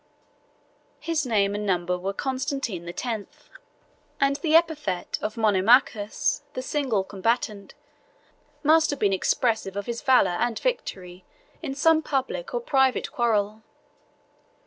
His name and number were Constantine the Tenth, and the epithet of Monomachus, the single combatant, must have been expressive of his valor and victory in some public or private quarrel.